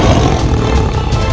tidak ada suara